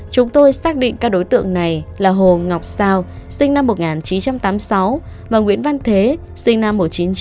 chúng tôi xác định các đối tượng này là hồ ngọc sao sinh năm một nghìn chín trăm tám mươi sáu và nguyễn văn thế sinh năm một nghìn chín trăm tám mươi